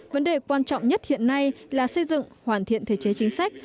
vấn đề quan trọng nhất hiện nay là xây dựng hoàn thiện thể chế chính sách